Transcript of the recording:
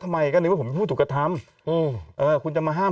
ทำไมก็เลยว่าผมไม่พูดถูกกระทำเออคุณจะมาห้าม